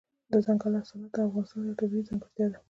دځنګل حاصلات د افغانستان یوه طبیعي ځانګړتیا ده.